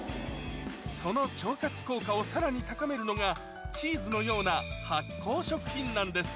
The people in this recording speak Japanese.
その腸活効果をさらに高めるのがチーズのような発酵食品なんです